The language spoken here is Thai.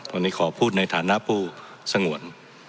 วันนี้ขอพูดในฐานะผู้สงวน